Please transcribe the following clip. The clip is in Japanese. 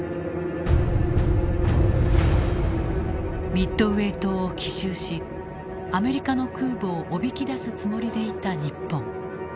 ミッドウェー島を奇襲しアメリカの空母をおびき出すつもりでいた日本。